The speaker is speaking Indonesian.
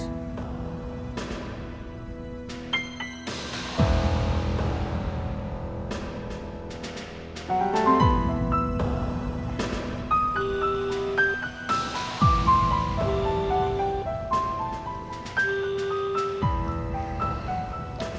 oke terima kasih